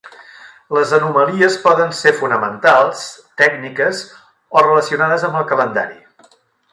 Les anomalies poden ser fonamentals, tècniques o relacionades amb el calendari.